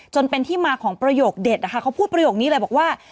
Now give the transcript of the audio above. จนเป็นที่มาของประโยคเด็ดนะคะเขาพูดประโยคนี้เลยบอกว่า